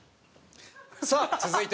さあ続いて僕の。